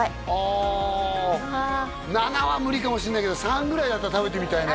あ７は無理かもしんないけど３ぐらいだったら食べてみたいね